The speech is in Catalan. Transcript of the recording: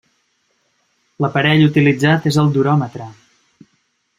L'aparell utilitzat és el duròmetre.